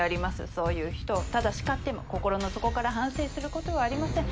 そういう人をただ叱っても心の底から反省することはありません。